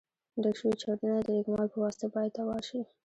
ډک شوي چاودونه د رېګمال په واسطه باید اوار شي.